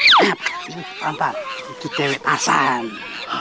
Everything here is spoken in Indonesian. ini pampat itu cewe terserah